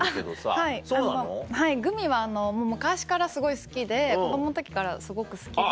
はいグミは昔からすごい好きで子供の時からすごく好きで。